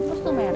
oh satu merek